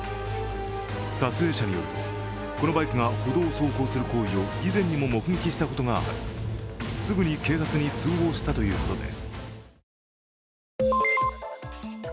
撮影者によると、このバイクが歩道を走行する行為を以前にも目撃したことがありすぐに警察に通報したということです。